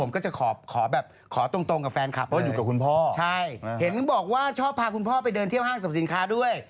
ก็จะขอตรงกับแฟนคลับเลยเห็นบอกว่าชอบพาคุณพ่อไปเดินเที่ยวห้างสรรพสินค้าด้วย